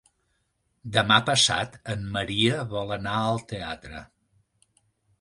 Demà passat en Maria vol anar al teatre.